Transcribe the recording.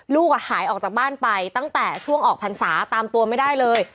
หายออกจากบ้านไปตั้งแต่ช่วงออกพรรษาตามตัวไม่ได้เลย